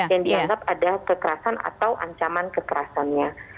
yang dianggap ada kekerasan atau ancaman kekerasannya